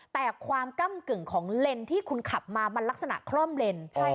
แต่ความก้ำกึ่งของเลนที่คุณขับมามันลักษณะคล่อมเลน